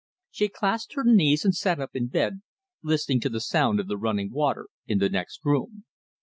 She clasped her knees and sat up in bed, listening to the sound of the running water in the next room.